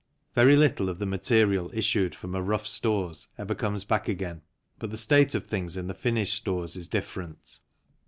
Very little of the material issued from a rough stores ever comes back again, but the state of things in the finished stores is different.